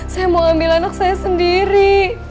saya mau ambil anak saya sendiri